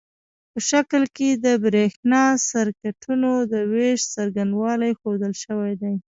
په شکل کې د برېښنا سرکټونو د وېش څرنګوالي ښودل شوي دي.